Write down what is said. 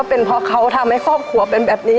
เป็นเพราะเขาทำให้ครอบครัวเป็นแบบนี้